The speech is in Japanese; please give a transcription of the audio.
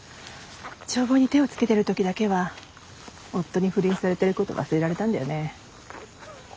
帳簿に手をつけてる時だけは夫に不倫されてること忘れられたんだよね。